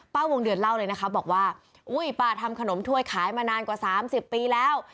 วงเดือนเล่าเลยนะคะบอกว่าอุ้ยป้าทำขนมถ้วยขายมานานกว่า๓๐ปีแล้ว